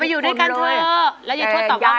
ไปอยู่ด้วยกันเถอะแล้วยิทธิ์ตอบว่าไง